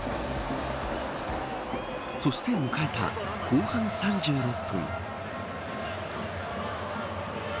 そして迎えた後半３６分。